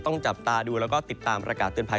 ต้องจับตาดูแล้วก็ติดตามประกาศเตือนภัย